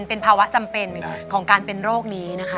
เป็นภาวะจำเป็นของการเป็นโรคนี้นะคะ